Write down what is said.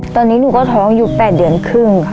ตอนนี้หนูก็ท้องอยู่๘เดือนครึ่งค่ะ